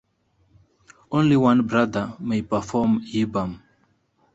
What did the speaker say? Only one brother may perform yibbum.